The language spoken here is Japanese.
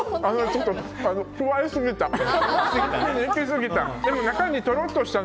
ちょっとくわえすぎた。